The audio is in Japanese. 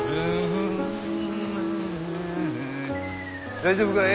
大丈夫かえ？